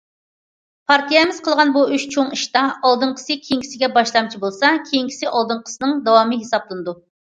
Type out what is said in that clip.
پارتىيەمىز قىلغان بۇ ئۈچ چوڭ ئىشتا، ئالدىنقىسى كېيىنكىسىگە باشلامچى بولسا، كېيىنكىسى ئالدىنقىسىنىڭ داۋامى ھېسابلىنىدۇ.